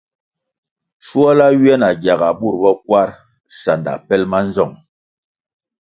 Shuala ywia na gyaga bur bo Kwarʼ sanda pelʼ ma nzong.